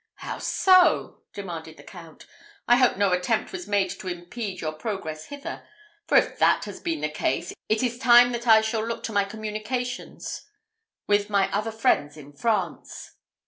"How so?" demanded the Count. "I hope no attempt was made to impede your progress hither; for if that has been the case, it is time that I should look to my communications with my other friends in France."